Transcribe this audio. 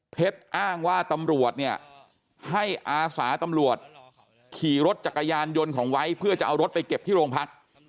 อ้างว่าตำรวจเนี่ยให้อาสาตำรวจขี่รถจักรยานยนต์ของไว้เพื่อจะเอารถไปเก็บที่โรงพัก